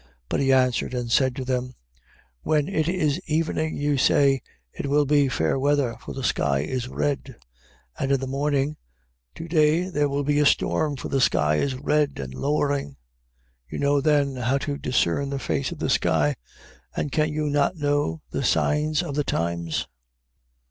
16:2. But he answered and said to them: When it is evening, you say, It will be fair weather, for the sky is red. 16:3. And in the morning: To day there will be a storm, for the sky is red and lowering. You know then how to discern the face of the sky: and can you not know the signs of the times?